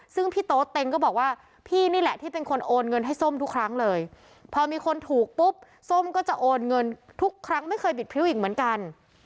ซึ่งพี่โต๊เต็งก็บอกว่าพี่นี่แหละที่เป็นคนโอนเงินให้ส้มทุกครั้งเลยพอมีคนถูกปุ๊บส้มก็จะโอนเงินทุกครั้งไม่เคยบิดพริ้วอีกเหมือนกัน